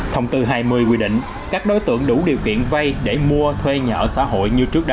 thông tư hai mươi quy định các đối tượng đủ điều kiện vây để mua thuê nhà ở xã hội